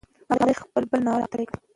هغې خپل بل ناول هغه ته ډالۍ کړ.